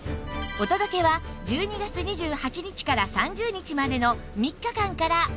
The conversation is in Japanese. お届けは１２月２８日から３０日までの３日間からお選び頂けます